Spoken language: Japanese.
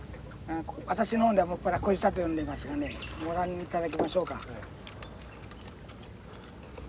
私の方では専らこしたと呼んでますがねご覧いただきましょうか。